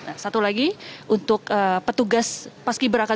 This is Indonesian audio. nah satu lagi untuk petugas paski beraka dua ribu dua puluh dua